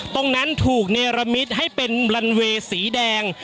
ตรงนั้นถูกเนรมิตให้เป็นลันเวย์สีแดง